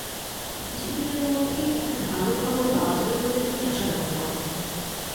কিছুদিনের মধ্যেই একটা ভালো খবর পাওয়া যাবে বলে তিনি আশা ব্যক্ত করেন।